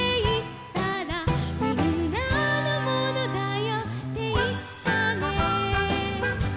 「みんなのものだよっていったね」